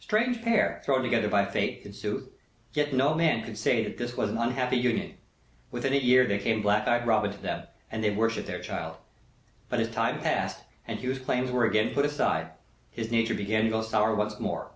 Strange pair, thrown together by Fate, in sooth; yet no man could say that this was an unhappy union. Within a year came black eyed Robin to them, and they worshipped their child. But as time passed, and Hugh's claims were again put aside, his nature began to go sour once more.